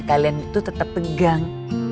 kalian tuh tetap tegang